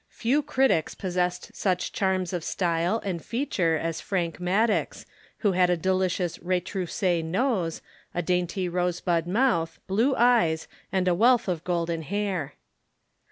Few critics possessed such charms of style and feature as Frank Maddox, who had a delicious retroussé nose, a dainty rosebud mouth, blue eyes, and a wealth of golden hair.